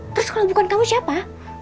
terus kalau bukan kamu siapa